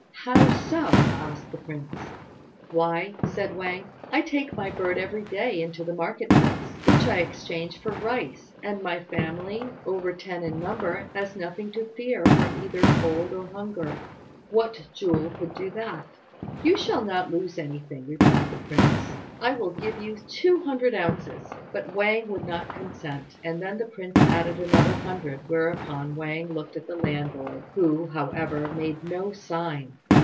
"How so?" asked the prince. "Why," said Wang, "I take my bird every day into the market place. It there wins for me several ounces of silver, which I exchange for rice; and my family, over ten in number, has nothing to fear from either cold or hunger. What jewel could do that?" "You shall not lose anything," replied the prince; "I will give you two hundred ounces." But Wang would not consent, and then the prince added another hundred; whereupon Wang looked at the landlord, who, however, made no sign.